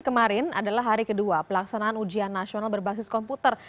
kemarin adalah hari kedua pelaksanaan ujian nasional berbasis komputer